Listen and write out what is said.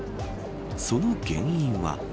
その原因は。